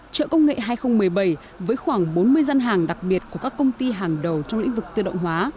trợ công nghệ hai nghìn một mươi bảy với khoảng bốn mươi gian hàng đặc biệt của các công ty hàng đầu trong lĩnh vực tự động hóa